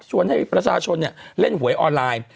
ชวนให้ประชาชนเนี้ยเล่นหวยออนไลน์